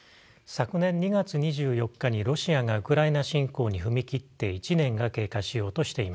昨年２月２４日にロシアがウクライナ侵攻に踏み切って１年が経過しようとしています。